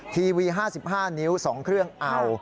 ทีวี๕๕นิ้ว๒เครื่องเอา